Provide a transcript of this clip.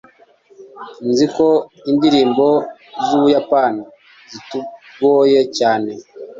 Nzi ko indirimbo zUbuyapani zitugoye cyane